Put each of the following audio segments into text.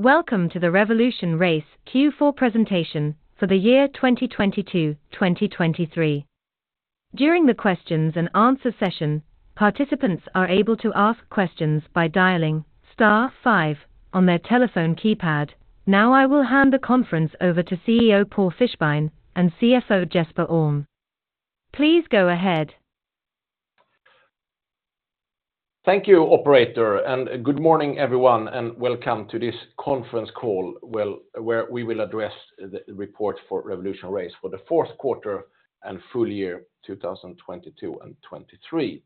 Welcome to the RevolutionRace Q4 presentation for the year 2022, 2023. During the questions and answer session, participants are able to ask questions by dialing star five on their telephone keypad. Now, I will hand the conference over to CEO, Pål Fischbein, and CFO, Jesper Alm. Please go ahead. Thank you, operator. Good morning, everyone, and welcome to this conference call, where we will address the report for RevolutionRace for the fourth quarter and full year 2022 and 2023.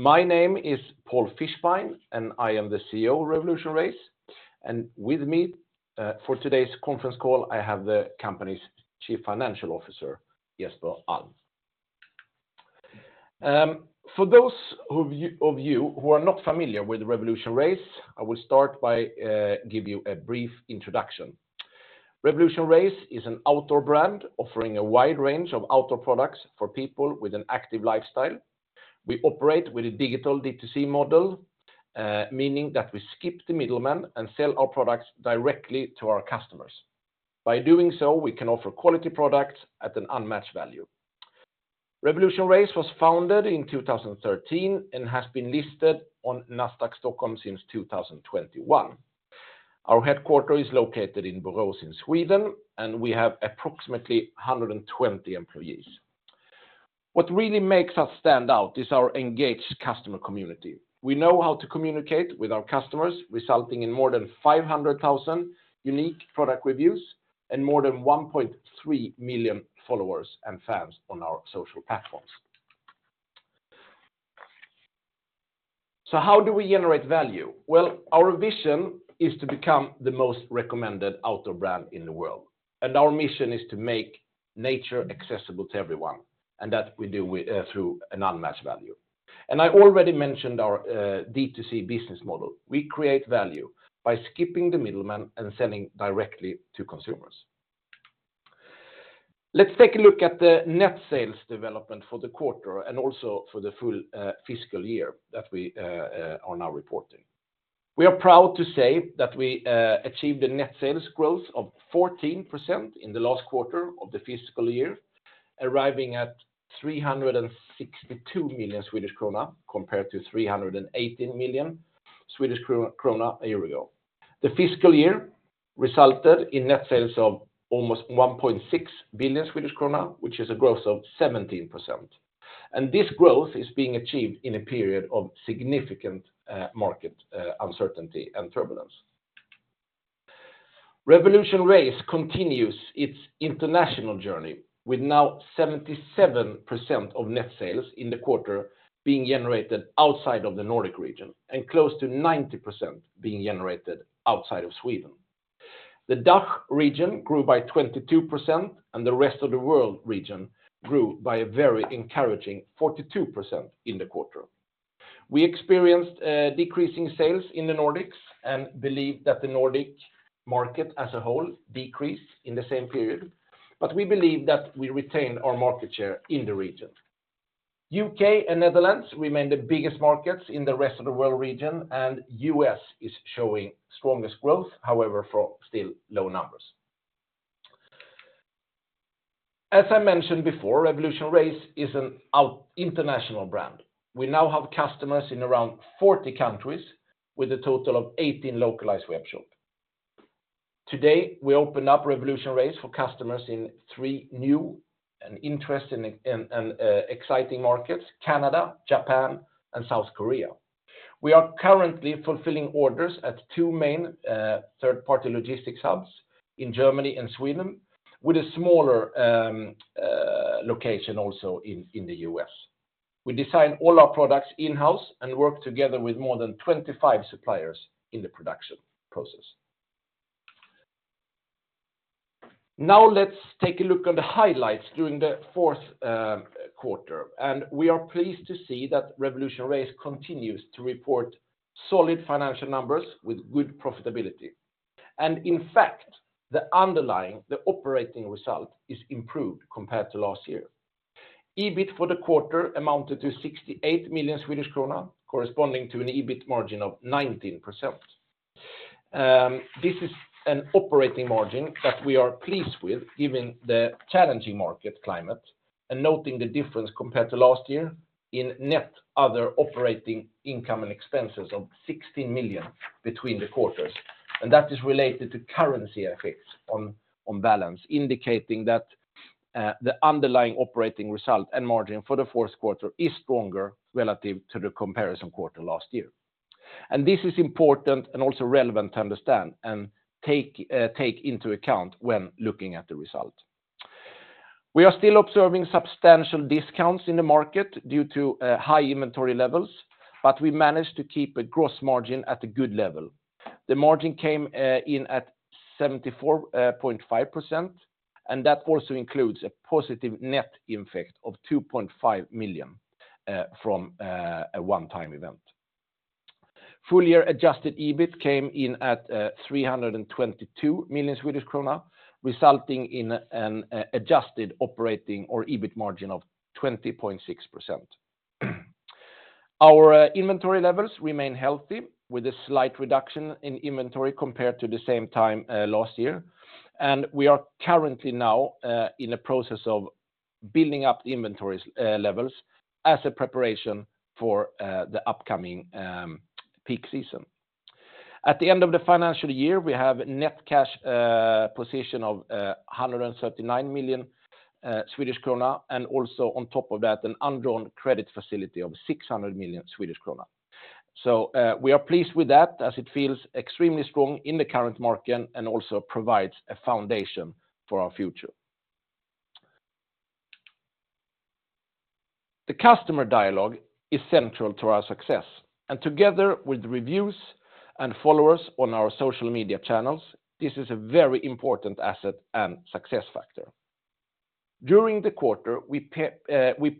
My name is Pål Fischbein, and I am the CEO of RevolutionRace. With me for today's conference call, I have the company's Chief Financial Officer, Jesper Alm. For those of you who are not familiar with RevolutionRace, I will start by give you a brief introduction. RevolutionRace is an outdoor brand offering a wide range of outdoor products for people with an active lifestyle. We operate with a digital D2C model, meaning that we skip the middleman and sell our products directly to our customers. By doing so, we can offer quality products at an unmatched value. RevolutionRace was founded in 2013 and has been listed on Nasdaq Stockholm since 2021. Our headquarter is located in Borås in Sweden, and we have approximately 120 employees. What really makes us stand out is our engaged customer community. We know how to communicate with our customers, resulting in more than 500,000 unique product reviews and more than 1.3 million followers and fans on our social platforms. How do we generate value? Well, our vision is to become the most recommended outdoor brand in the world, and our mission is to make nature accessible to everyone, and that we do with through an unmatched value. I already mentioned our D2C business model. We create value by skipping the middleman and selling directly to consumers. Let's take a look at the net sales development for the quarter and also for the full fiscal year that we are now reporting. We are proud to say that we achieved a net sales growth of 14% in the last quarter of the fiscal year, arriving at 362 million Swedish krona, compared to 318 million Swedish krona a year ago. The fiscal year resulted in net sales of almost 1.6 billion Swedish krona, which is a growth of 17%, and this growth is being achieved in a period of significant market uncertainty and turbulence. RevolutionRace continues its international journey, with now 77% of net sales in the quarter being generated outside of the Nordic region and close to 90% being generated outside of Sweden. The DACH region grew by 22%, and the Rest of the World region grew by a very encouraging 42% in the quarter. We experienced decreasing sales in the Nordics and believe that the Nordic market as a whole decreased in the same period. We believe that we retained our market share in the region. U.K. and Netherlands remain the biggest markets in the Rest of the World region. U.S. is showing strongest growth, however, for still low numbers. As I mentioned before, RevolutionRace is an international brand. We now have customers in around 40 countries with a total of 18 localized webshop. Today, we opened up RevolutionRace for customers in three new and interesting and exciting markets: Canada, Japan, and South Korea. We are currently fulfilling orders at 2 main third-party logistics hubs in Germany and Sweden, with a smaller location also in, in the U.S. We design all our products in-house and work together with more than 25 suppliers in the production process. Now, let's take a look on the highlights during the 4th quarter, and we are pleased to see that RevolutionRace continues to report solid financial numbers with good profitability. In fact, the underlying, the operating result, is improved compared to last year. EBIT for the quarter amounted to 68 million Swedish krona, corresponding to an EBIT margin of 19%. This is an operating margin that we are pleased with, given the challenging market climate and noting the difference compared to last year in net other operating income and expenses of 16 million between the quarters, and that is related to currency effects on balance, indicating that the underlying operating result and margin for the fourth quarter is stronger relative to the comparison quarter last year. This is important and also relevant to understand and take into account when looking at the result. We are still observing substantial discounts in the market due to high inventory levels, but we managed to keep a gross margin at a good level. The margin came in at 74.5%, and that also includes a positive net impact of 2.5 million from a one-time event. Full-year adjusted EBIT came in at 322 million Swedish krona, resulting in an adjusted operating or EBIT margin of 20.6%. Our inventory levels remain healthy, with a slight reduction in inventory compared to the same time last year. We are currently now in the process of building up the inventories levels as a preparation for the upcoming peak season. At the end of the financial year, we have net cash position of 139 million Swedish krona, and also on top of that, an undrawn credit facility of 600 million Swedish krona. We are pleased with that, as it feels extremely strong in the current market and also provides a foundation for our future. The customer dialogue is central to our success, and together with reviews and followers on our social media channels, this is a very important asset and success factor. During the quarter, we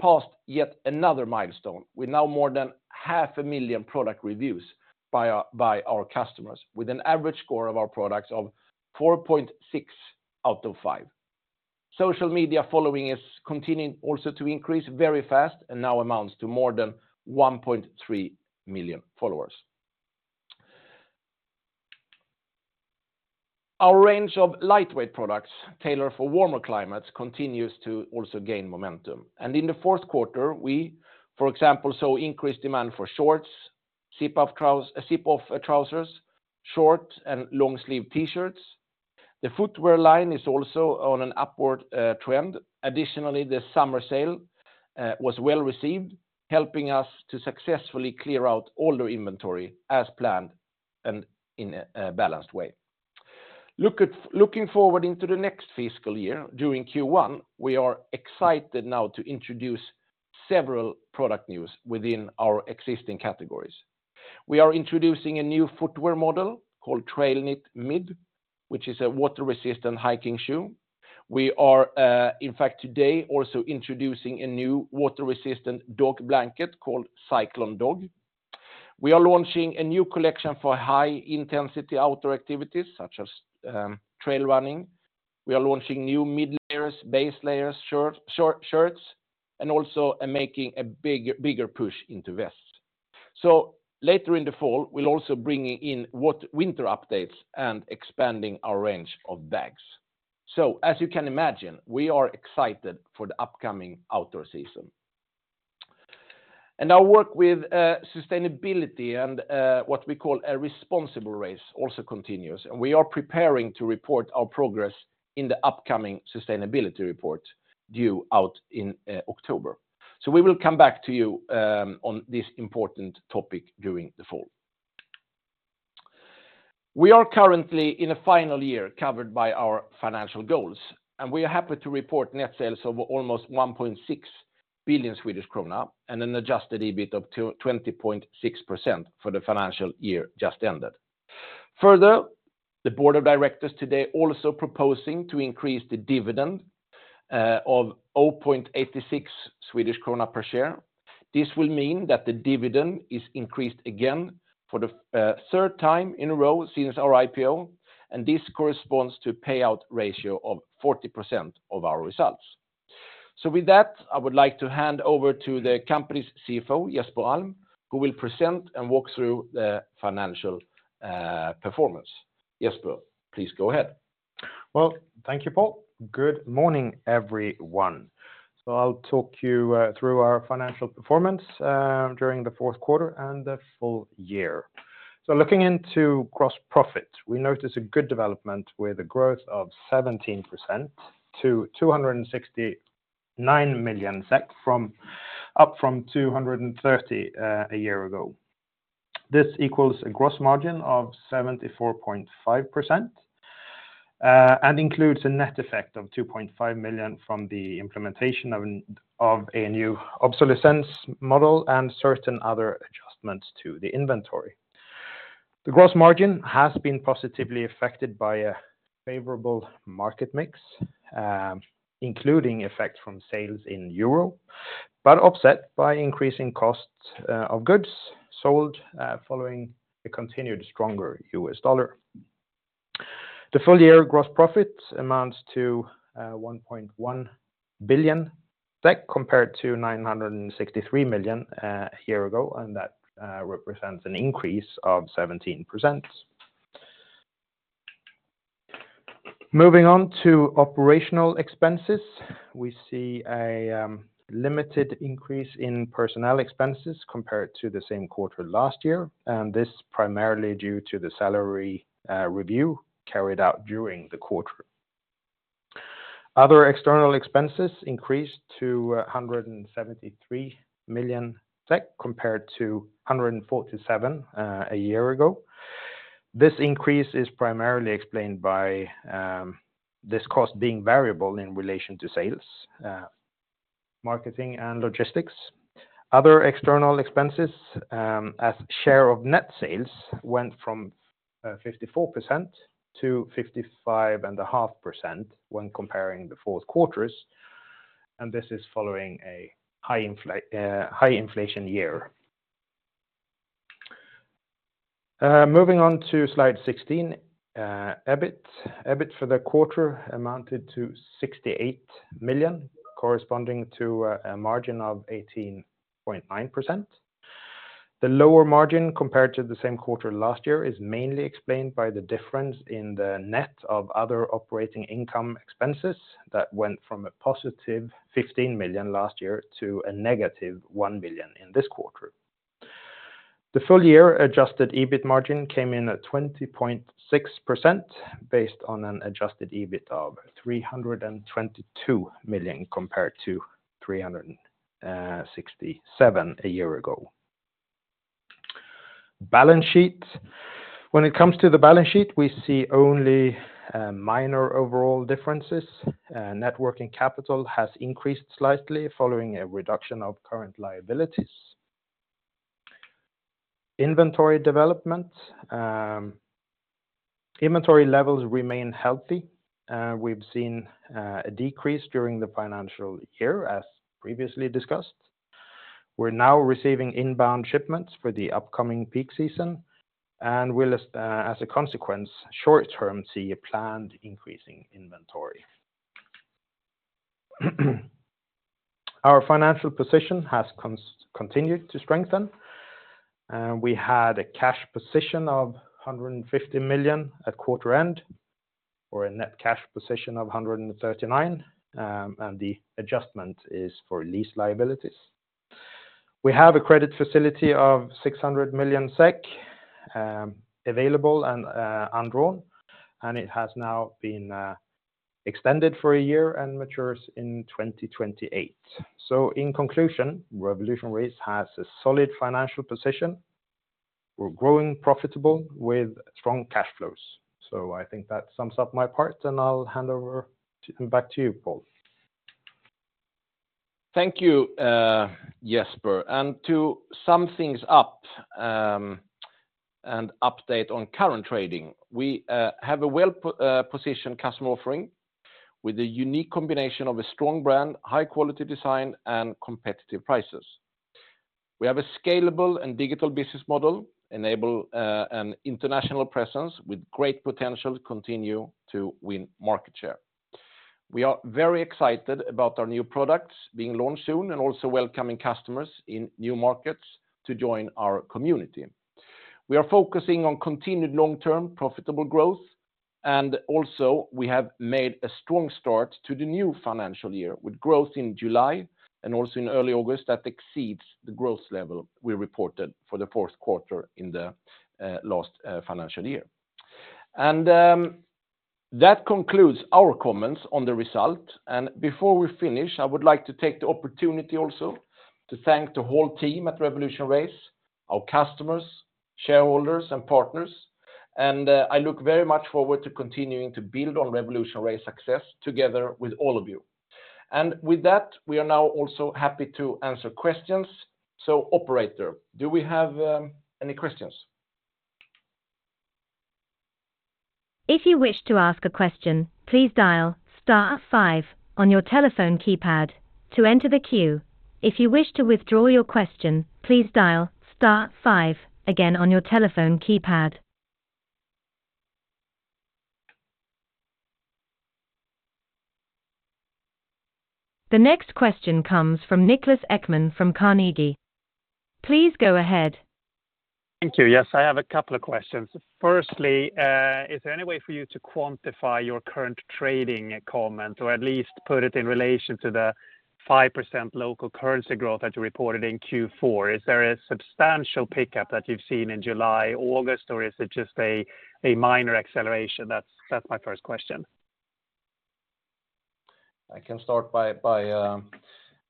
passed yet another milestone, with now more than 500,000 product reviews by our, by our customers, with an average score of our products of 4.6 out of 5. Social media following is continuing also to increase very fast and now amounts to more than 1.3 million followers. Our range of lightweight products tailored for warmer climates continues to also gain momentum. In the fourth quarter, we, for example, saw increased demand for shorts, zip-off trousers, short and long-sleeved T-shirts. The footwear line is also on an upward trend. Additionally, the summer sale was well received, helping us to successfully clear out older inventory as planned and in a balanced way. Looking forward into the next fiscal year, during Q1, we are excited now to introduce several product news within our existing categories. We are introducing a new footwear model called Trailknit Mid, which is a water-resistant hiking shoe. We are, in fact, today, also introducing a new water-resistant dog blanket called Cyclone Dog. We are launching a new collection for high-intensity outdoor activities, such as trail running. We are launching new mid layers, base layers, shirts, short shirts, and also making a bigger push into vests. Later in the fall, we'll also bringing in what winter updates and expanding our range of bags. As you can imagine, we are excited for the upcoming outdoor season. Our work with sustainability and what we call A Responsible Race also continues, and we are preparing to report our progress in the upcoming sustainability report due out in October. We will come back to you on this important topic during the fall. We are currently in a final year covered by our financial goals, and we are happy to report net sales of almost 1.6 billion Swedish krona, and an adjusted EBIT of 20.6% for the financial year just ended. Further, the board of directors today also proposing to increase the dividend of 0.86 Swedish krona per share. This will mean that the dividend is increased again for the third time in a row since our IPO, and this corresponds to a payout ratio of 40% of our results. With that, I would like to hand over to the company's CFO, Jesper Alm, who will present and walk through the financial performance. Jesper, please go ahead. Well, thank you, Pål. Good morning, everyone. I'll talk you through our financial performance during the fourth quarter and the full year. Looking into gross profit, we notice a good development with a growth of 17% to 269 million SEK, up from 230 million a year ago. This equals a gross margin of 74.5% and includes a net effect of 2.5 million from the implementation of a new obsolescence model and certain other adjustments to the inventory. The gross margin has been positively affected by a favorable market mix, including effect from sales in Euro, but offset by increasing costs of goods sold following the continued stronger U.S. dollar. The full year gross profit amounts to 1.1 billion SEK, compared to 963 million a year ago, and that represents an increase of 17%. Moving on to operational expenses, we see a limited increase in personnel expenses compared to the same quarter last year, and this primarily due to the salary review carried out during the quarter. Other external expenses increased to 173 million SEK, compared to 147 million a year ago. This increase is primarily explained by this cost being variable in relation to sales, marketing, and logistics. Other external expenses as share of net sales, went from 54% to 55.5% when comparing the fourth quarters, and this is following a high inflation year. Moving on to slide 16, EBIT. EBIT for the quarter amounted to 68 million, corresponding to a margin of 18.9%. The lower margin compared to the same quarter last year, is mainly explained by the difference in the net of other operating income expenses that went from a positive 15 million last year to a negative 1 billion in this quarter. The full year adjusted EBIT margin came in at 20.6%, based on an adjusted EBIT of 322 million, compared to 367 million a year ago. Balance sheet. When it comes to the balance sheet, we see only minor overall differences. Net working capital has increased slightly following a reduction of current liabilities. Inventory development. Inventory levels remain healthy. We've seen a decrease during the financial year, as previously discussed. We're now receiving inbound shipments for the upcoming peak season, we'll as a consequence, short-term, see a planned increase in inventory. Our financial position has continued to strengthen, we had a cash position of 150 million at quarter end, or a net cash position of 139. The adjustment is for lease liabilities. We have a credit facility of 600 million SEK available and undrawn, it has now been extended for a year and matures in 2028. In conclusion, RevolutionRace has a solid financial position. We're growing profitable with strong cash flows. I think that sums up my part, I'll hand over back to you, Pål. Thank you, Jesper. To sum things up, an update on current trading, we have a well-positioned customer offering with a unique combination of a strong brand, high-quality design, and competitive prices. We have a scalable and digital business model, enable an international presence with great potential to continue to win market share. We are very excited about our new products being launched soon, and also welcoming customers in new markets to join our community. We are focusing on continued long-term, profitable growth, and also we have made a strong start to the new financial year, with growth in July and also in early August, that exceeds the growth level we reported for the fourth quarter in the last financial year. That concludes our comments on the result. Before we finish, I would like to take the opportunity also to thank the whole team at RevolutionRace, our customers, shareholders, and partners. I look very much forward to continuing to build on RevolutionRace success together with all of you. With that, we are now also happy to answer questions. Operator, do we have any questions? If you wish to ask a question, please dial star five on your telephone keypad to enter the queue. If you wish to withdraw your question, please dial star five again on your telephone keypad. The next question comes from Niklas Ekman, from Carnegie. Please go ahead. Thank you. Yes, I have a couple of questions. Firstly, is there any way for you to quantify your current trading comment, or at least put it in relation to the 5% local currency growth that you reported in Q4? Is there a substantial pickup that you've seen in July, August, or is it just a, a minor acceleration? That's, that's my first question. I can start by answering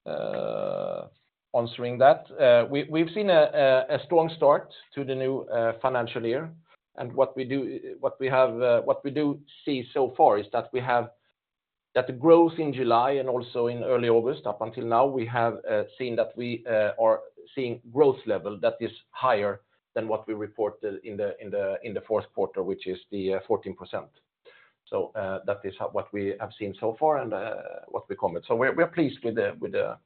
that. We've seen a strong start to the new financial year. What we do see so far is that the growth in July and also in early August, up until now, we have seen that we are seeing growth level that is higher than what we reported in the fourth quarter, which is the 14%. That is what we have seen so far and what we comment. We're pleased with the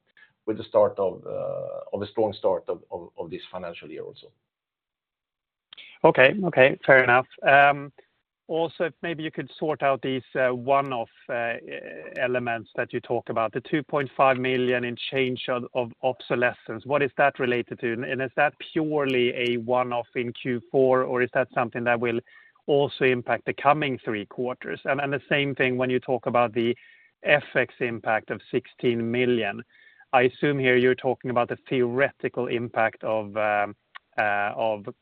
start of a strong start of this financial year also. Okay. Okay, fair enough. Also, maybe you could sort out these one-off elements that you talk about, the 2.5 million in change of obsolescence. What is that related to? Is that purely a one-off in Q4, or is that something that will also impact the coming three quarters? The same thing when you talk about the FX impact of 16 million. I assume here you're talking about the theoretical impact of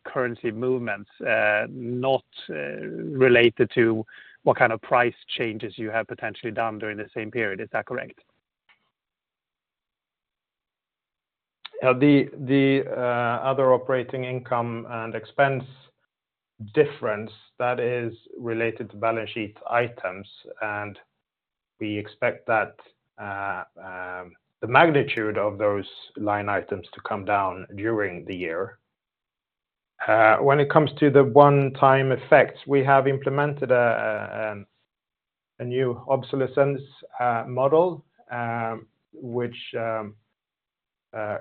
currency movements, not related to what kind of price changes you have potentially done during the same period. Is that correct? The, the, other operating income and expense difference that is related to balance sheet items, and we expect that, the magnitude of those line items to come down during the year. When it comes to the one-time effects, we have implemented a, a new obsolescence, model, which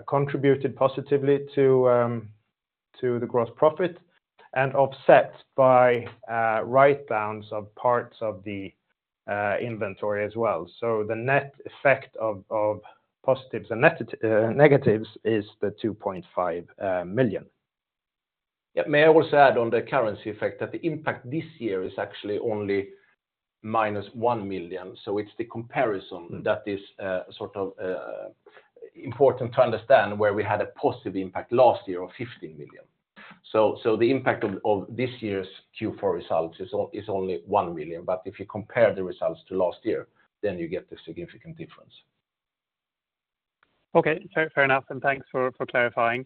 contributed positively to the gross profit and offset by write-downs of parts of the inventory as well. The net effect of positives and negatives is the 2.5 million. Yeah, may I also add on the currency effect that the impact this year is actually only -1 million? It's the comparison that is, sort of, important to understand where we had a positive impact last year of 15 million. The impact of this year's Q4 results is only 1 million, but if you compare the results to last year, then you get the significant difference. Okay, fair, fair enough, thanks for, for clarifying.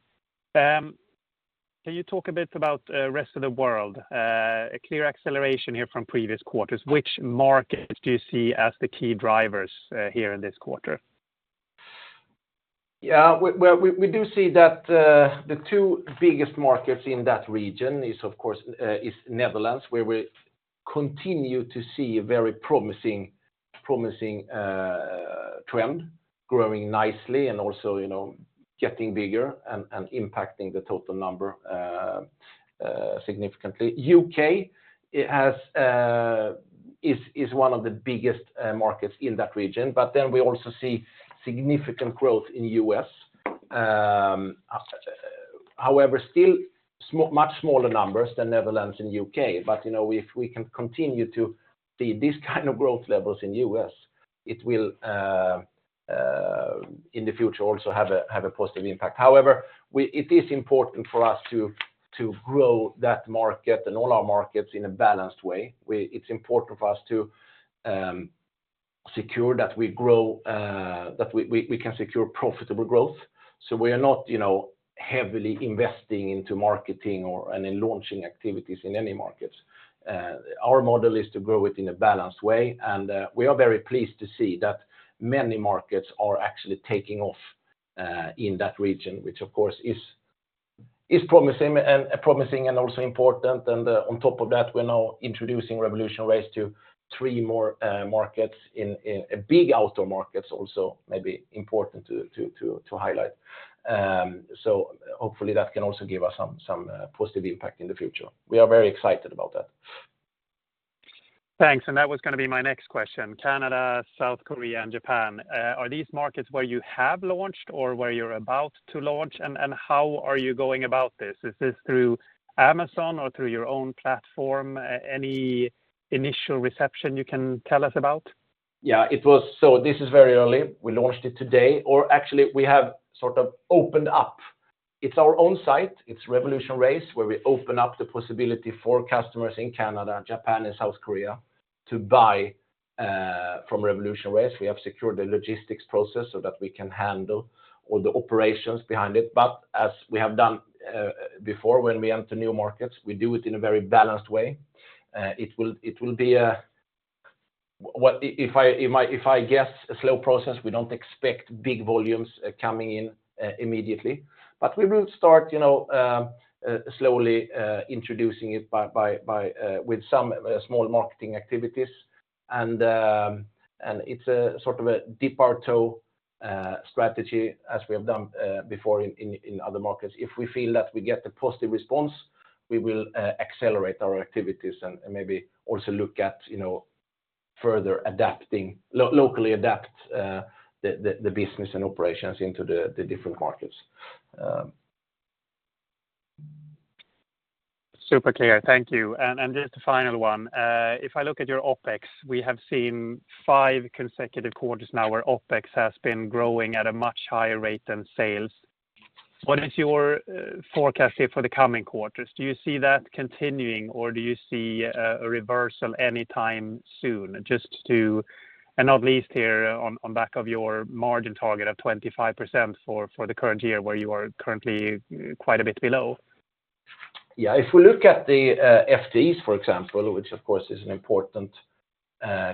Can you talk a bit about Rest of the World? A clear acceleration here from previous quarters. Which markets do you see as the key drivers here in this quarter? Well, we, we do see that the two biggest markets in that region is of course, is Netherlands, where we continue to see a very promising, promising trend growing nicely and also, you know, getting bigger and impacting the total number significantly. U.K., it has, is one of the biggest markets in that region, but then we also see significant growth in U.S. However, still much smaller numbers than Netherlands and U.K., but, you know, if we can continue to see these kind of growth levels in U.S., it will in the future, also have a, have a positive impact. However, it is important for us to, to grow that market and all our markets in a balanced way. It's important for us to secure that we grow, that we, we, we can secure profitable growth. We are not, you know, heavily investing into marketing or, and in launching activities in any markets. Our model is to grow it in a balanced way, we are very pleased to see that many markets are actually taking off in that region, which of course is, is promising and, promising and also important. On top of that, we're now introducing RevolutionRace to 3 more markets in, in big outdoor markets also, maybe important to, to, to, to highlight. Hopefully that can also give us some, some positive impact in the future. We are very excited about that. Thanks. That was gonna be my next question. Canada, South Korea, and Japan, are these markets where you have launched or where you're about to launch? How are you going about this? Is this through Amazon or through your own platform? Any initial reception you can tell us about? Yeah, it was. This is very early. We launched it today, or actually, we have sort of opened up. It's our own site, it's RevolutionRace, where we open up the possibility for customers in Canada, Japan, and South Korea to buy from RevolutionRace. We have secured the logistics process so that we can handle all the operations behind it. As we have done before, when we enter new markets, we do it in a very balanced way. It will, it will be a, if I guess, a slow process, we don't expect big volumes coming in immediately, but we will start, you know, slowly introducing it by with some small marketing activities. It's a sort of a dip our toe strategy, as we have done before in other markets. If we feel that we get the positive response, we will accelerate our activities and maybe also look at, you know, further adapting, locally adapt, the business and operations into the different markets. Super clear. Thank you. Just a final one. If I look at your OpEx, we have seen 5 consecutive quarters now where OpEx has been growing at a much higher rate than sales. What is your forecast here for the coming quarters? Do you see that continuing, or do you see a reversal anytime soon? Just to, not least here on back of your margin target of 25% for the current year, where you are currently quite a bit below. Yeah. If we look at the FTEs, for example, which of course is an important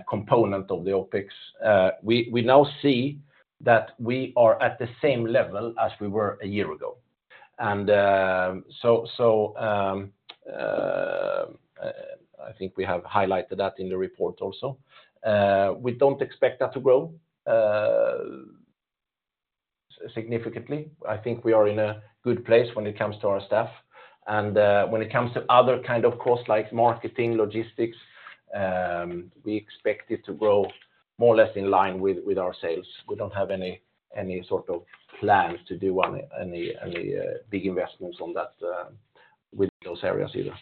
component of the OpEx, we, we now see that we are at the same level as we were a year ago. So, I think we have highlighted that in the report also. We don't expect that to grow significantly. I think we are in a good place when it comes to our staff, and when it comes to other kind of costs like marketing, logistics, we expect it to grow more or less in line with, with our sales. We don't have any, any sort of plans to do any, any, any big investments on that with those areas either.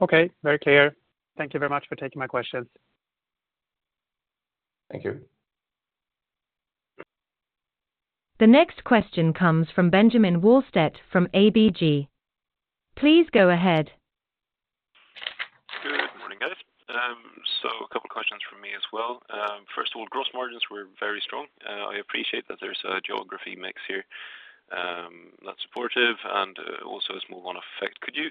Okay. Very clear. Thank you very much for taking my questions. Thank you. The next question comes from Benjamin Wahlstedt from ABG. Please go ahead. Good morning, guys. A couple questions from me as well. First of all, gross margins were very strong. I appreciate that there's a geography mix here, that's supportive and also a small one effect. Could you,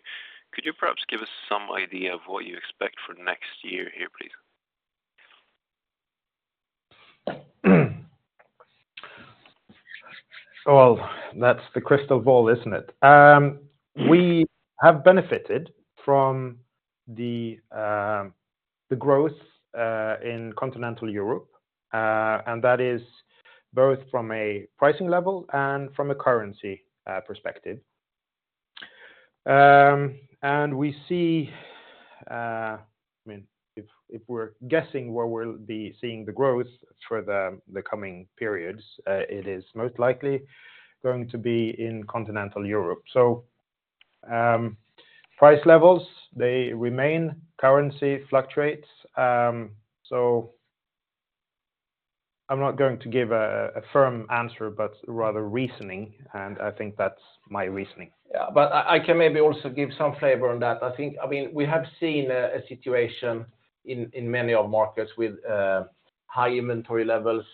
could you perhaps give us some idea of what you expect for next year here, please? Well, that's the crystal ball, isn't it? We have benefited from the growth in Continental Europe, that is both from a pricing level and from a currency perspective. We see, I mean, if, if we're guessing where we'll be seeing the growth for the coming periods, it is most likely going to be in Continental Europe. Price levels, they remain currency fluctuates, so I'm not going to give a firm answer, but rather reasoning, and I think that's my reasoning. Yeah, but I, I can maybe also give some flavor on that. I think, I mean, we have seen a situation in many of markets with high inventory levels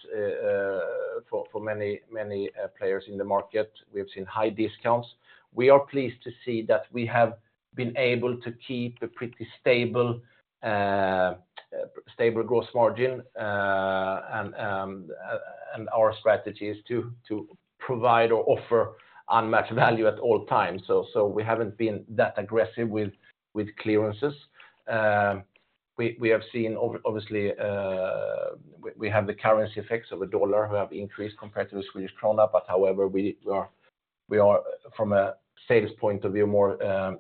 for many, many players in the market. We have seen high discounts. We are pleased to see that we have been able to keep a pretty stable, stable growth margin, and our strategy is to provide or offer unmatched value at all times. So we haven't been that aggressive with clearances. We have seen over obviously, we have the currency effects of the U.S. dollar have increased compared to the Swedish krona, but however, we are from a sales point of view, more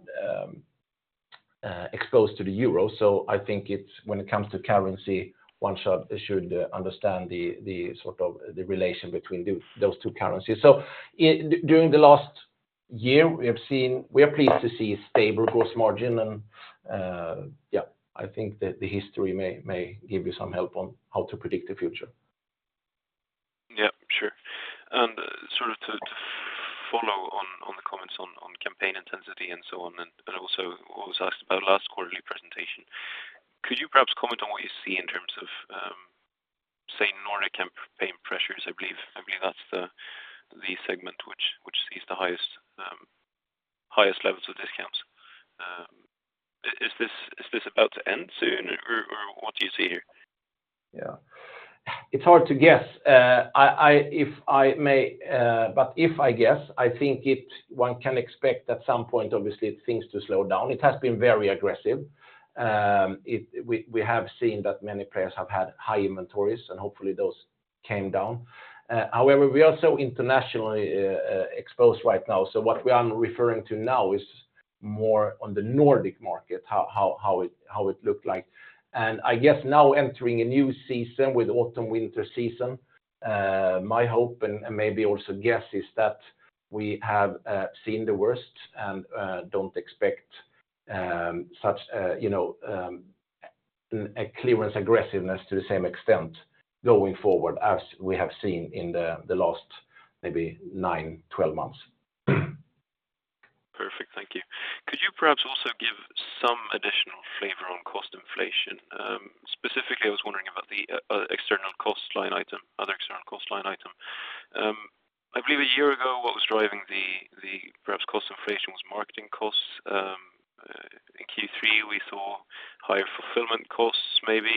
exposed to the Euro. I think it's when it comes to currency, one should understand the sort of, the relation between those two currencies. It during the last year, we have seen. We are pleased to see stable gross margin and yeah, I think that the history may give you some help on how to predict the future. Yeah, sure. Sort of to, to follow on, on the comments on, on campaign intensity and so on, and, and also what was asked about last quarterly presentation, could you perhaps comment on what you see in terms of, say, Nordic campaign pressures? I believe, I believe that's the, the segment which, which sees the highest, highest levels of discounts. Is this, is this about to end soon, or, or what do you see here? Yeah. It's hard to guess. I, if I may, but if I guess, I think one can expect at some point, obviously things to slow down. It has been very aggressive. We have seen that many players have had high inventories, and hopefully those came down. However, we are also internationally exposed right now, so what we are referring to now is more on the Nordic market, how it looked like. I guess now entering a new season with autumn, winter season, my hope and maybe also guess, is that we have seen the worst and don't expect such, you know, a clearance aggressiveness to the same extent going forward as we have seen in the last maybe 9-12 months. Perfect. Thank you. Could you perhaps also give some additional flavor on cost inflation? Specifically, I was wondering about the external cost line item, other external cost line item. I believe a year ago, what was driving the perhaps cost inflation was marketing costs. In Q3, we saw higher fulfillment costs, maybe.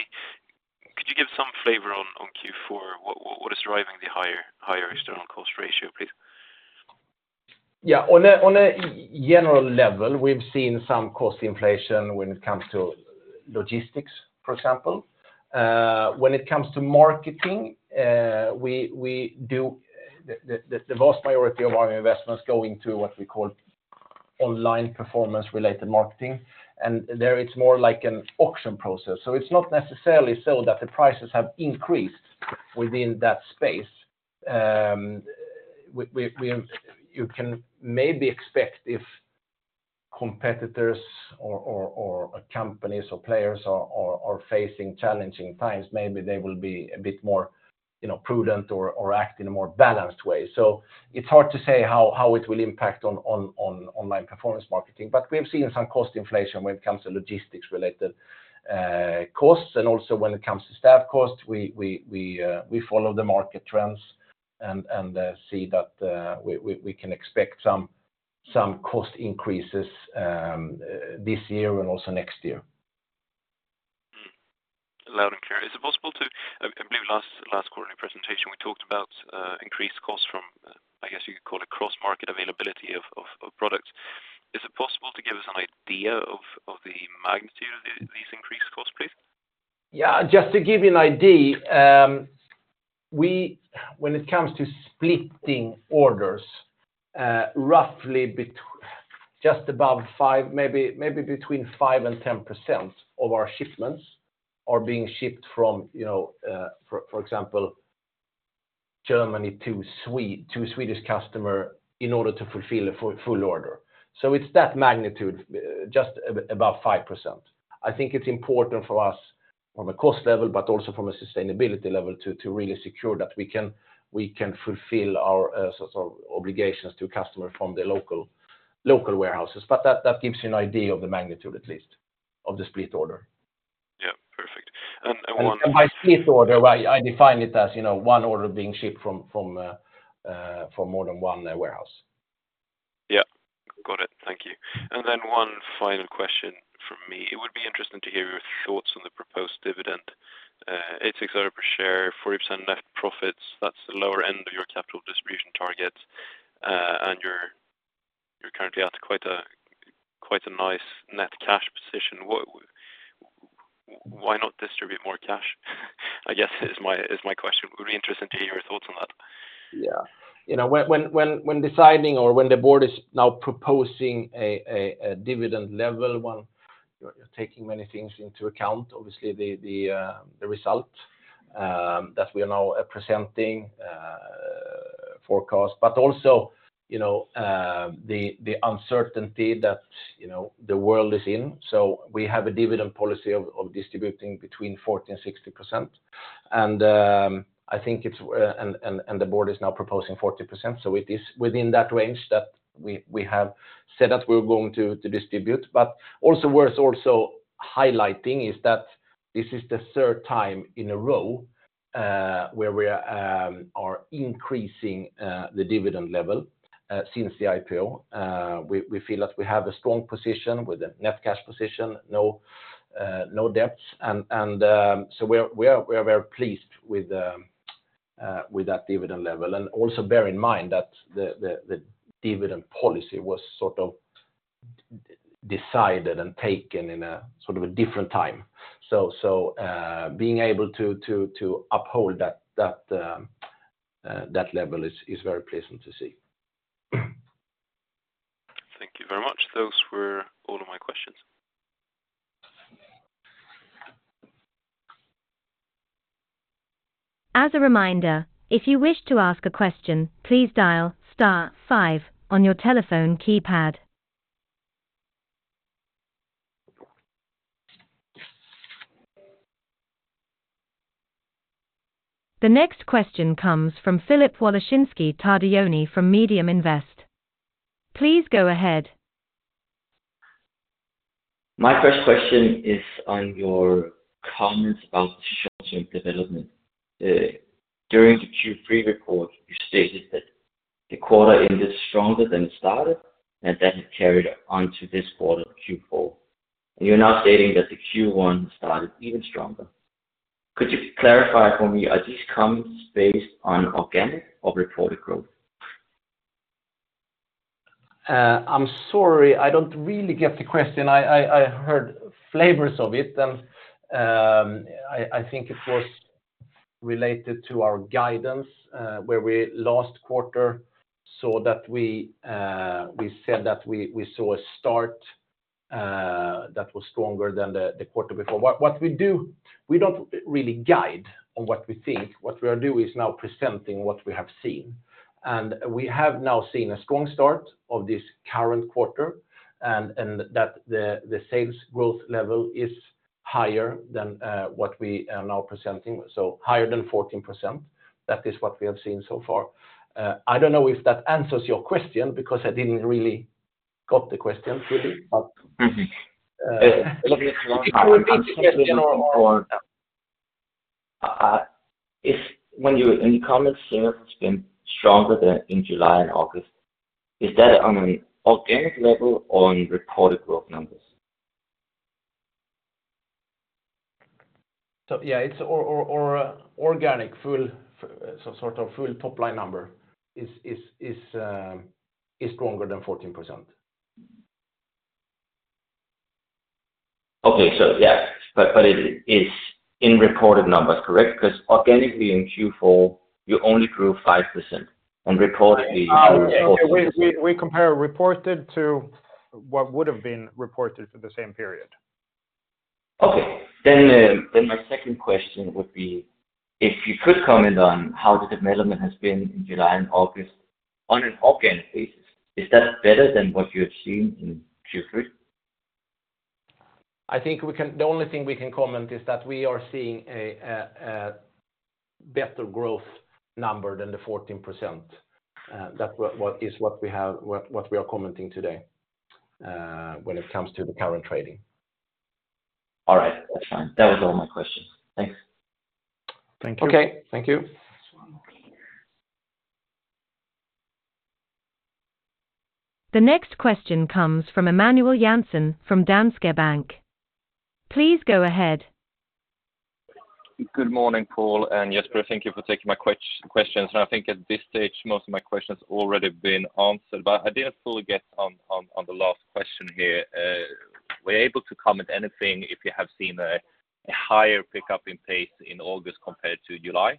Could you give some flavor on Q4? What, what, what is driving the higher, higher external cost ratio, please? Yeah. On a, on a general level, we've seen some cost inflation when it comes to logistics, for example. When it comes to marketing, we, we do the, the, the vast majority of our investments go into what we call online performance-related marketing, and there it's more like an auction process. So it's not necessarily so that the prices have increased within that space. We, we, we, you can maybe expect if competitors or, or, or companies or players are, are, are facing challenging times, maybe they will be a bit more, you know, prudent or, or act in a more balanced way. So it's hard to say how, how it will impact on, on, on, online performance marketing, but we've seen some cost inflation when it comes to logistics-related costs. Also when it comes to staff costs, we, we, we, we follow the market trends and, and, see that, we, we, we can expect some, some cost increases, this year and also next year. Mm. Loud and clear. Is it possible to... I, I believe last, last quarter in presentation, we talked about increased costs from, I guess you could call it cross-market availability of, of, of products. Is it possible to give us an idea of, of the magnitude of the, these increased costs, please? Yeah, just to give you an idea, we, when it comes to splitting orders, roughly just about 5, maybe, maybe between 5% and 10% of our shipments are being shipped from, you know, for, for example, Germany to Sweden to a Swedish customer in order to fulfill a full, full order. It's that magnitude, just about 5%. I think it's important for us from a cost level, but also from a sustainability level, to, to really secure that we can, we can fulfill our, sort of obligations to customers from the local, local warehouses. That, that gives you an idea of the magnitude, at least, of the split order. Yeah, perfect. By split order, I, I define it as, you know, one order being shipped from, from more than one warehouse. Yeah, got it. Thank you. One final question from me. It would be interesting to hear your thoughts on the proposed dividend, EUR 0.86 per share, 40% net profits. That's the lower end of your capital distribution target. You're, you're currently at quite a, quite a nice net cash position. What, why not distribute more cash? I guess is my, is my question. Would be interesting to hear your thoughts on that. Yeah. You know, when, when, when deciding or when the board is now proposing a dividend level one, you're, you're taking many things into account. Obviously, the, the result that we are now presenting, forecast, but also, you know, the uncertainty that, you know, the world is in. We have a dividend policy of distributing between 40% and 60%. I think it's and the board is now proposing 40%, so it is within that range that we have said that we're going to distribute. Also worth also highlighting is that this is the third time in a row where we are increasing the dividend level since the IPO. We, we feel that we have a strong position with a net cash position, no, no debts, and, and, so we are, we are very pleased with the, with that dividend level. Also bear in mind that the, the, the dividend policy was sort of decided and taken in a sort of a different time. Being able to, to, to uphold that, that, that level is, is very pleasant to see. Thank you very much. Those were all of my questions. As a reminder, if you wish to ask a question, please dial star five on your telephone keypad. The next question comes from Philip Waloszynski Tadayoni from MediumInvest. Please go ahead. My first question is on your comments about short-term development. During the Q3 report, you stated that the quarter ended stronger than it started, and that it carried on to this quarter, Q4. You're now stating that the Q1 started even stronger. Could you clarify for me, are these comments based on organic or reported growth? I'm sorry, I don't really get the question. I, I, I heard flavors of it, I, I think it was related to our guidance, where we last quarter saw that we, we said that we, we saw a start that was stronger than the quarter before. What, what we do, we don't really guide on what we think. What we are doing is now presenting what we have seen. We have now seen a strong start of this current quarter, and, and that the, the sales growth level is higher than what we are now presenting. Higher than 14%. That is what we have seen so far. I don't know if that answers your question, because I didn't really got the question really,- If when you, in your comments here, it's been stronger than in July and August. Is that on an organic level or on recorded growth numbers? yeah, it's or, or, or organic, full, so sort of full top line number is, is, is, is stronger than 14%. Okay. Yeah, but, but it is in reported numbers, correct? Because organically in Q4, you only grew 5%, and reportedly you- We, we, we compare reported to what would have been reported for the same period. Okay. My second question would be, if you could comment on how the development has been in July and August on an organic basis, is that better than what you have seen in Q3? I think the only thing we can comment is that we are seeing a better growth number than the 14%. That we are commenting today, when it comes to the current trading. All right. That's fine. That was all my questions. Thanks. Thank you. Okay, thank you. The next question comes from Emmanuel Jansson, from Danske Bank. Please go ahead. Good morning, Pål and Jesper. Thank you for taking my questions. I think at this stage, most of my questions have already been answered, but I didn't fully get on the last question here. Were you able to comment anything if you have seen a higher pickup in pace in August compared to July?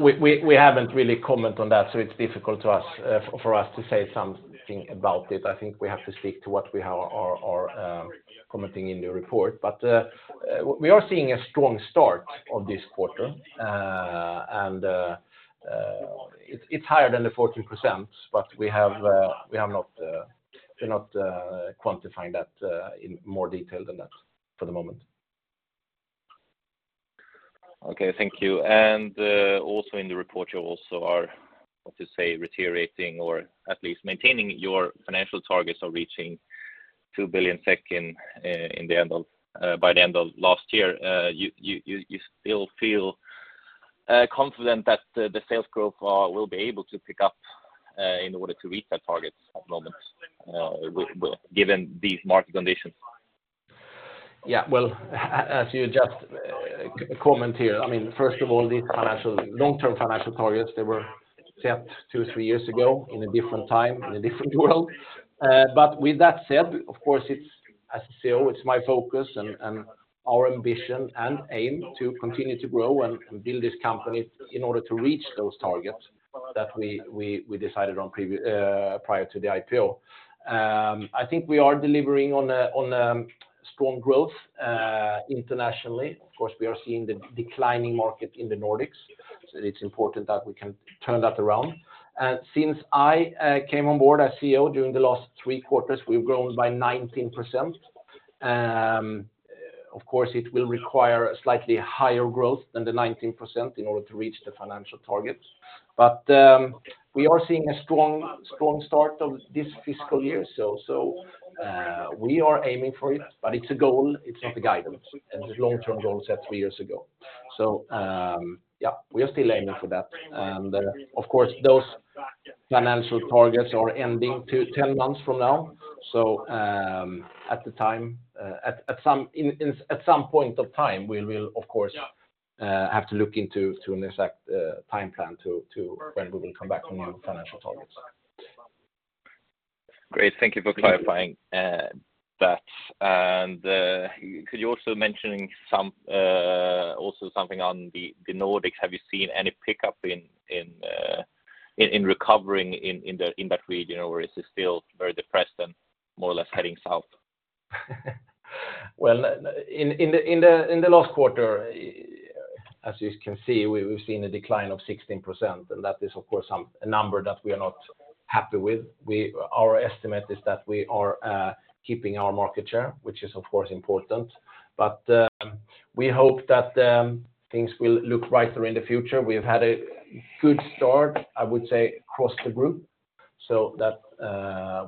We, we, we haven't really comment on that, so it's difficult to us for us to say something about it. I think we have to speak to what we have or, or, commenting in the report. We are seeing a strong start of this quarter, and it's, it's higher than the 14%, but we have, we have not, we're not, quantifying that in more detail than that for the moment. Okay, thank you. Also in the report, you also are reiterating or at least maintaining your financial targets of reaching-... 2 billion SEK in, in the end of, by the end of last year, you, you, you still feel confident that the, the sales growth will be able to pick up in order to reach that target at Norrøna given these market conditions? Yeah, well, as you just comment here, I mean, first of all, these financial, long-term financial targets, they were set 2, 3 years ago, in a different time, in a different world. But with that said, of course, it's, as CEO, it's my focus and, and our ambition and aim to continue to grow and build this company in order to reach those targets that we, we, we decided on prior to the IPO. I think we are delivering on a, on a strong growth internationally. Of course, we are seeing the declining market in the Nordics, so it's important that we can turn that around. Since I came on board as CEO, during the last 3 quarters, we've grown by 19%. Of course, it will require a slightly higher growth than the 19% in order to reach the financial targets. We are seeing a strong, strong start of this fiscal year. So we are aiming for it, but it's a goal, it's not a guidance, and it's a long-term goal set 3 years ago. Yeah, we are still aiming for that. Of course, those financial targets are ending to 10 months from now. At the time, at some point of time, we will, of course, have to look into an exact time plan to when we will come back on the financial targets. Great, thank you for clarifying, that. Could you also mention some, also something on the Nordics? Have you seen any pickup in recovering in that region, or is it still very depressed and more or less heading south? Well, in the last quarter, as you can see, we've seen a decline of 16%, that is, of course, a number that we are not happy with. Our estimate is that we are keeping our market share, which is, of course, important. We hope that things will look brighter in the future. We've had a good start, I would say, across the group. That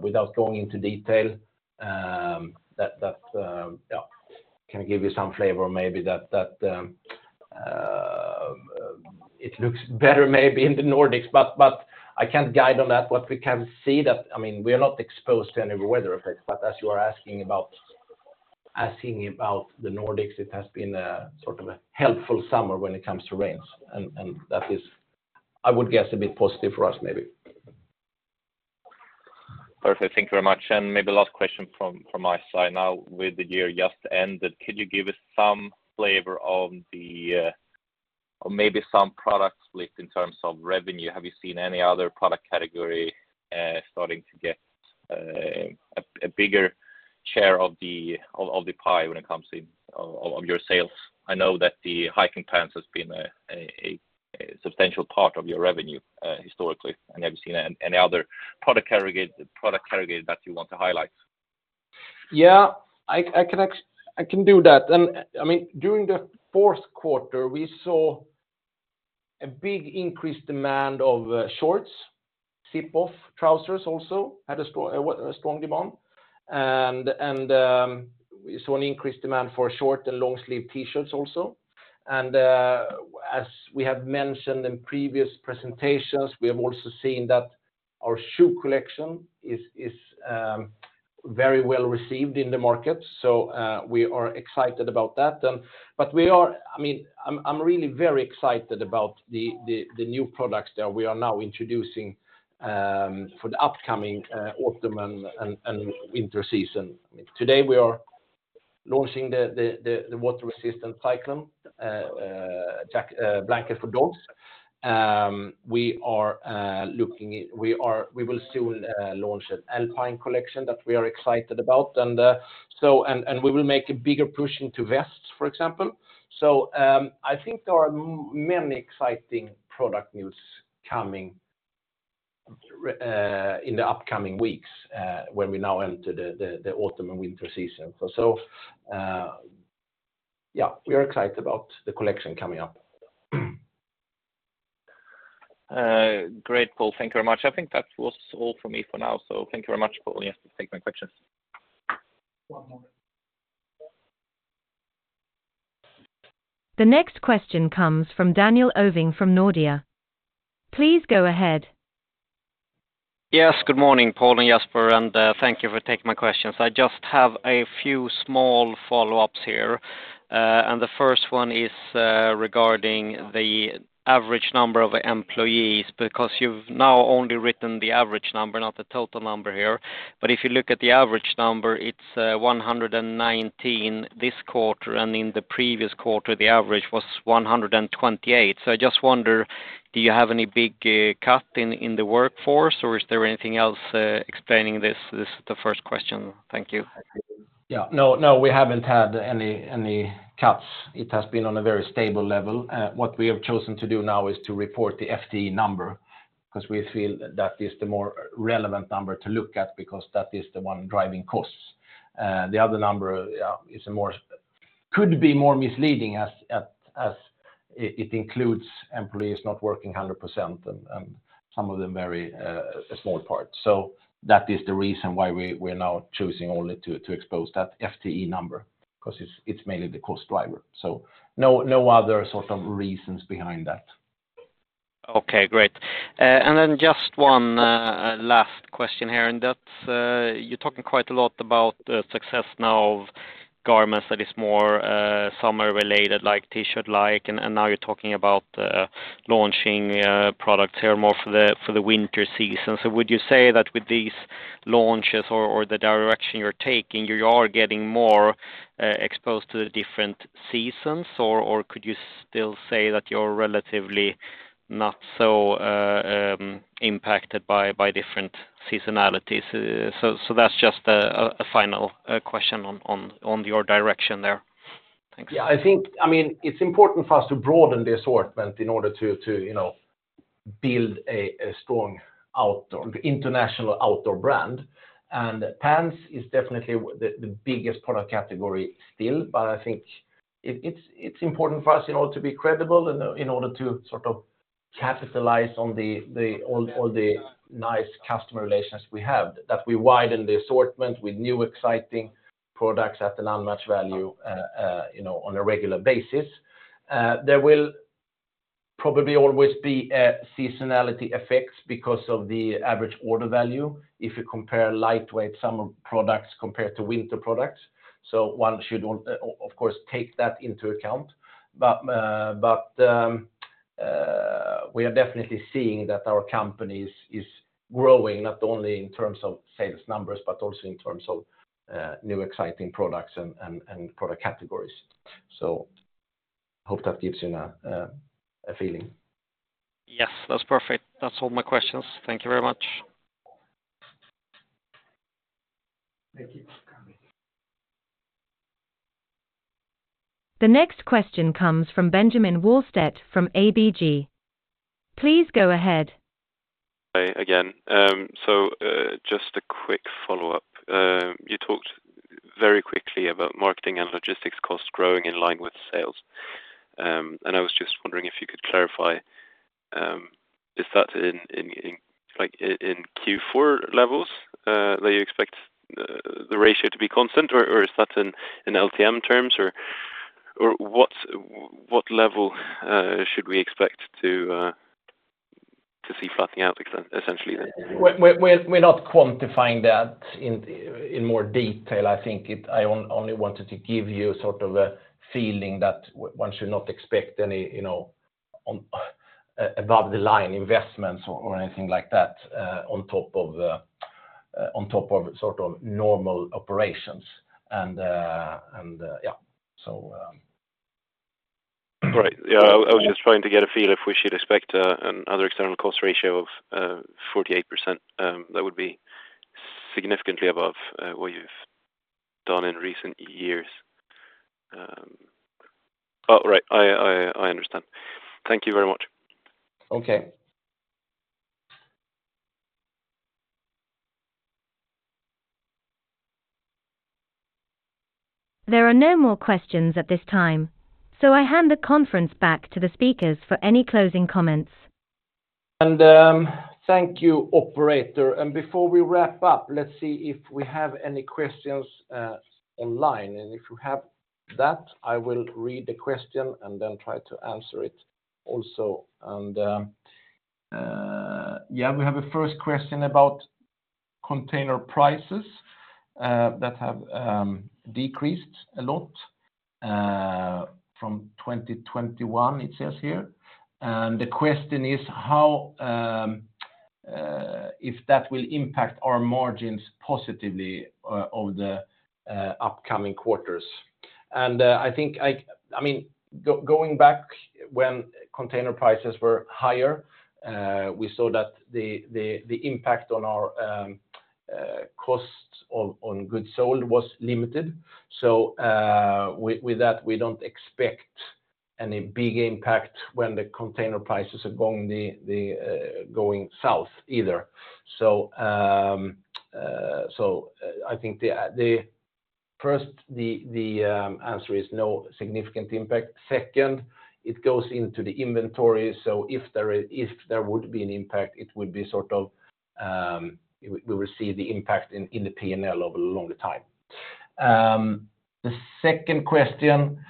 without going into detail, that, that, yeah, can give you some flavor, maybe that, that, it looks better maybe in the Nordics, but, but I can't guide on that. What we can see that, I mean, we are not exposed to any weather effects, but as you are asking about, asking about the Nordics, it has been a sort of a helpful summer when it comes to rains. That is, I would guess, a bit positive for us, maybe. Perfect. Thank you very much. Maybe last question from my side. Now, with the year just ended, could you give us some flavor on the, or maybe some product split in terms of revenue? Have you seen any other product category starting to get a bigger share of the pie when it comes in, of your sales? I know that the hiking pants has been a substantial part of your revenue historically. Have you seen any other product category that you want to highlight? Yeah, I, I can do that. I mean, during the fourth quarter, we saw a big increased demand of shorts. Zip-off trousers also had a strong, a strong demand. We saw an increased demand for short and long-sleeve T-shirts also. As we have mentioned in previous presentations, we have also seen that our shoe collection is, is very well-received in the market, so we are excited about that. We are-- I mean, I'm, I'm really very excited about the, the, the, the new products that we are now introducing for the upcoming autumn and winter season. Today, we are launching the, the, the, the water-resistant Cyclone blanket for dogs. We are looking at... We will soon launch an alpine collection that we are excited about, and we will make a bigger push into vests, for example. I think there are many exciting product news coming in the upcoming weeks when we now enter the autumn and winter season. Yeah, we are excited about the collection coming up. Great, Pål. Thank you very much. I think that was all for me for now. Thank you very much, Pål, for taking my questions. One moment. The next question comes from Daniel Ovin from Nordea. Please go ahead. Yes, good morning, Pål and Jesper, and thank you for taking my questions. I just have a few small follow-ups here. The first one is regarding the average number of employees, because you've now only written the average number, not the total number here. If you look at the average number, it's 119 this quarter, and in the previous quarter, the average was 128. I just wonder, do you have any big cut in the workforce, or is there anything else explaining this? This is the first question. Thank you. Yeah. No, no, we haven't had any, any cuts. It has been on a very stable level. What we have chosen to do now is to report the FTE number, 'cause we feel that is the more relevant number to look at, because that is the one driving costs. The other number could be more misleading as it includes employees not working 100% and, and some of them very, a small part. That is the reason why we're now choosing only to, to expose that FTE number, 'cause it's, it's mainly the cost driver. No, no other sort of reasons behind that. Okay, great. Then just one last question here, and that's you're talking quite a lot about the success now of garments that is more summer related, like T-shirt like, and now you're talking about launching products here more for the winter season. Would you say that with these launches or, or the direction you're taking, you are getting more exposed to the different seasons? Or could you still say that you're relatively not so impacted by different seasonalities? So that's just a final question on your direction there. Thanks. Yeah, I think, I mean, it's important for us to broaden the assortment in order to, to, you know, build a, a strong outdoor, international outdoor brand. Pants is definitely the biggest product category still, but I think it, it's, it's important for us, you know, to be credible in order, in order to sort of capitalize on the, the, on all the nice customer relations we have. That we widen the assortment with new exciting products at an unmatched value, you know, on a regular basis. There will probably always be seasonality effects because of the average order value, if you compare lightweight summer products compared to winter products. One should, of course, take that into account. We are definitely seeing that our company is, is growing, not only in terms of sales numbers, but also in terms of new exciting products and, and, and product categories. Hope that gives you a feeling. Yes, that's perfect. That's all my questions. Thank you very much. Thank you for coming. The next question comes from Benjamin Wahlstedt from ABG. Please go ahead. Hi again. Just a quick follow-up. You talked very quickly about marketing and logistics costs growing in line with sales. I was just wondering if you could clarify, is that in Q4 levels that you expect the ratio to be constant? Or is that in LTM terms, or what level should we expect to see flattening out, essentially then? We're not quantifying that in, in more detail. I think I only wanted to give you sort of a feeling that one should not expect any, you know, on, above the line investments or, or anything like that, on top of, on top of sort of normal operations. And, and, yeah. So. Right. Yeah. I was just trying to get a feel if we should expect another external cost ratio of 48%, that would be significantly above what you've done in recent years. Oh, right. I, I, I understand. Thank you very much. Okay. There are no more questions at this time. I hand the conference back to the speakers for any closing comments. Thank you, operator. Before we wrap up, let's see if we have any questions online. If you have that, I will read the question and then try to answer it also. Yeah, we have a first question about container prices that have decreased a lot from 2021, it says here. The question is how if that will impact our margins positively over the upcoming quarters? I think I mean, going back when container prices were higher, we saw that the impact on our costs on goods sold was limited. With that, we don't expect any big impact when the container prices are going south either. I think the first, the, the answer is no significant impact. Second, it goes into the inventory, so if there would be an impact, it would be sort of, we, we will see the impact in, in the P&L over a longer time. The second question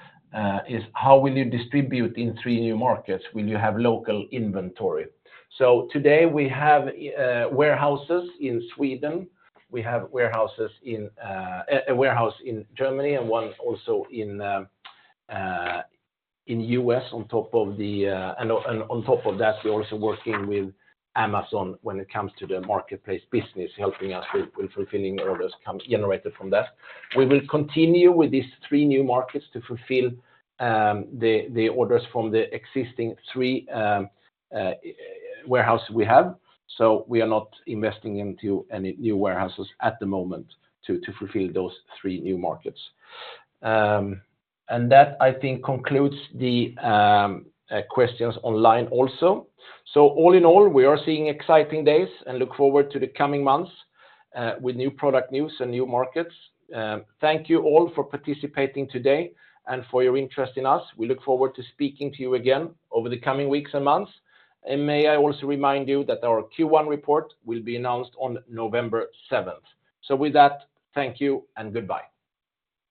is how will you distribute in three new markets? Will you have local inventory? Today we have warehouses in Sweden, we have warehouses in a warehouse in Germany, and one also in U.S. on top of the, and on, and on top of that, we're also working with Amazon when it comes to the marketplace business, helping us with, with fulfilling orders generated from that. We will continue with these three new markets to fulfill the orders from the existing three warehouse we have. We are not investing into any new warehouses at the moment to fulfill those three new markets. That, I think, concludes the questions online also. All in all, we are seeing exciting days and look forward to the coming months with new product news and new markets. Thank you all for participating today and for your interest in us. We look forward to speaking to you again over the coming weeks and months. May I also remind you that our Q1 report will be announced on November 7th. With that, thank you and goodbye.